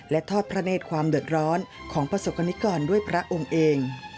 และทอดพระเนธความเดือดร้อนของประสบกรณิกรด้วยพระองค์เอง